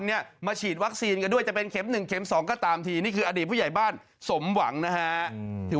เขาก็เบี่ยนเหมนความสนใจมาดู